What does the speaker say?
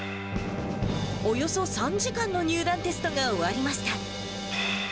およそ３時間の入団テストが終わりました。